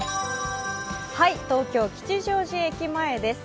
東京・吉祥寺駅前です。